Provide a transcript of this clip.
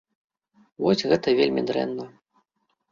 Вось гэта вельмі дрэнна.